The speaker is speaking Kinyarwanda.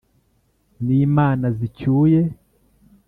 N’imana zicyuye,